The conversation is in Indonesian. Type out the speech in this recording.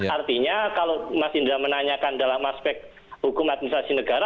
artinya kalau mas indra menanyakan dalam aspek hukum administrasi negara